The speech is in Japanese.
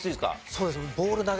そうですね。